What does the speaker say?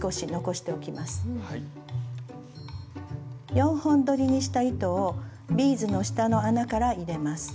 ４本どりにした糸をビーズの下の穴から入れます。